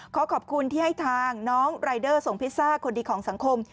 ขอขอบคุณที่ให้ทางน้องรายเดอร์ส่งพิซซ่าคนดีของสังคม